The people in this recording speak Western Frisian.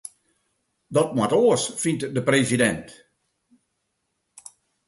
Dat moat oars, fynt de presidint.